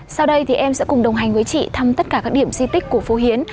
sau đây thì em sẽ cùng đồng hành với chị thăm tất cả các điểm di tích của phố hiến